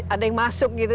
ada yang masuk gitu